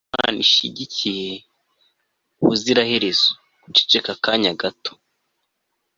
wa wundi imana ishyigikiye ubuziraherezo. (guceceka akanya gato